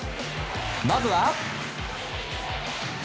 まずは。